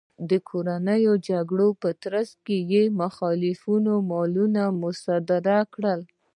د کورنیو جګړو په ترڅ کې یې د مخالفینو مالونه مصادره کړل